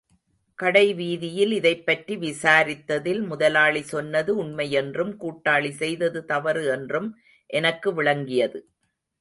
கடைவீதியில் இதைப்பற்றி விசாரித்ததில், முதலாளி சொன்னது உண்மையென்றும், கூட்டாளி செய்தது தவறு என்றும் எனக்கு விளங்கியது.